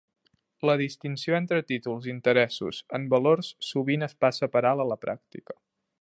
La distinció entre títols i interessos en valors sovint es passa per alt a la pràctica.